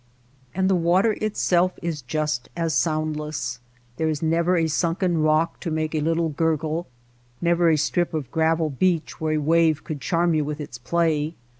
And the water itself is just as soundless. There is never a sunken rock to make a little gurgle, never a strip of gravel beach where a wave could charm you with its play.